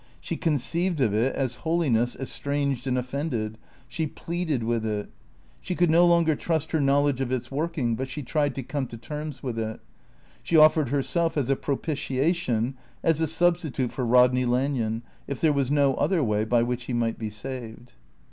She conceived of it as holiness estranged and offended; she pleaded with it. She could no longer trust her knowledge of its working, but she tried to come to terms with it. She offered herself as a propitiation, as a substitute for Rodney Lanyon, if there was no other way by which he might be saved.